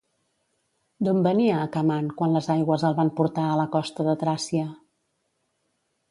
D'on venia Acamant quan les aigües el van portar a la costa de Tràcia?